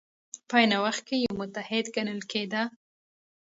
په عین وخت کې یو متحد ګڼل کېده.